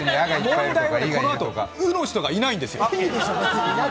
問題はこのあと「ウ」の人がいないんですよ。